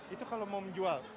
itu kalau mau menjual